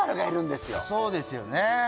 そうですよね